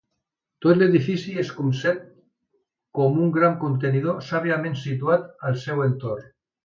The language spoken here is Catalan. Tot l'edifici es concep com un gran contenidor sàviament situat al seu entorn.